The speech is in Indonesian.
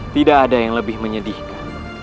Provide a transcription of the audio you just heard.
tidak ada yang lebih menyedihkan